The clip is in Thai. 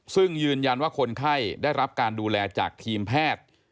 ซึ่งยืนยันว่าคนไข้ได้รับการดูแลจากทีมแพทย์